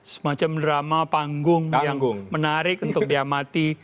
semacam drama panggung yang menarik untuk dia mati